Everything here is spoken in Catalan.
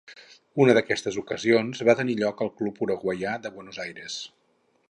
Una d'aquestes ocasions va tenir lloc en el Club uruguaià de Buenos Aires.